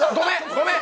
ごめん！